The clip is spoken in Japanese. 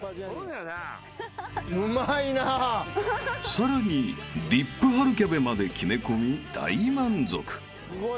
［さらにディップ春キャベまで決め込み大満足］